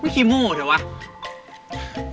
ไม่คิโมใช่ไหม